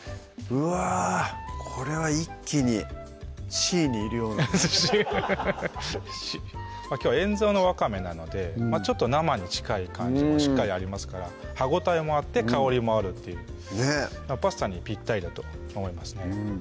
うわぁこれは一気にシーにいるようなねシーきょうは塩蔵のわかめなのでちょっと生に近い感じもしっかりありますから歯応えもあって香りもあるっていうねっパスタにぴったりだと思いますね